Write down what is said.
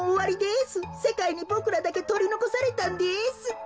せかいにボクらだけとりのこされたんです。